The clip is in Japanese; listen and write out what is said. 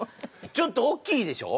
ちょっと大きいでしょ？